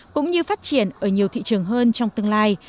cũng như phát triển ở nhiều thị trường hơn trong tương lai